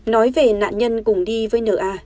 nói về nạn nhân cùng đi với n a